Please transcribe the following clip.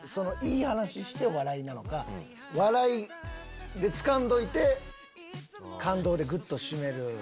いい話をして笑いなのか笑いでつかんどいて感動でぐっと締める。